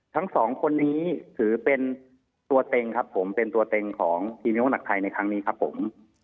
ทั้งสองคนนี้ถือเป็นตัวเต็งครับผมเป็นตัวเต็งของทีมนักไทยในครั้งนี้ครับผม